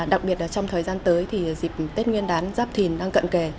đặc biệt trong thời gian tới dịp tết nguyên đán giáp thìn đang cận kề